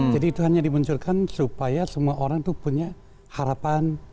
jadi itu hanya dimunculkan supaya semua orang tuh punya harapan